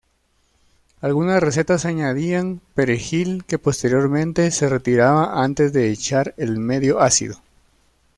Algunas recetas añadían perejil que posteriormente se retiraba antes de echar el medio ácido.